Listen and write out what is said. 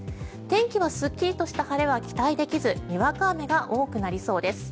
天気はすっきりとした晴れは期待できずにわか雨が多くなりそうです。